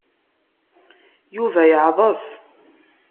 Yuba yeɛḍes.